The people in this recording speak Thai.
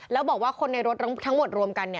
แล้วบอกว่าคนในรถทั้งหมดรวมกัน